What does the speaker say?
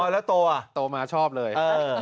อ๋อแล้วโตว่ะโตมาชอบเลย